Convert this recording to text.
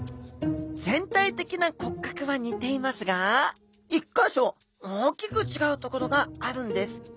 全体的な骨格は似ていますが１か所大きく違うところがあるんです。